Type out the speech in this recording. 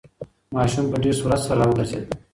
ماشوم په ډېر سرعت سره راوگرځېد.